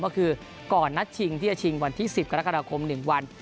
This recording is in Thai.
ก็คือก่อนนัดชิงที่จะชิงวันที่๑๐กรกฎาคม๑วัน